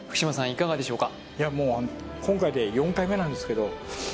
いかがでしょうか？